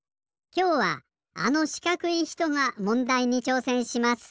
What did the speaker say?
きょうはあのしかくいひとがもんだいにちょうせんします。